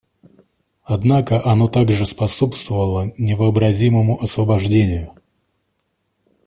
Однако оно также способствовало невообразимому освобождению.